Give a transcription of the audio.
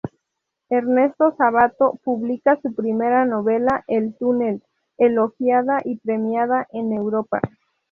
Ernesto Sabato publica su primera novela, "El túnel", elogiada y premiada en Europa.